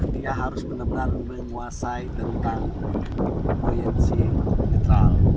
dia harus benar benar menguasai tentang proyeksi netral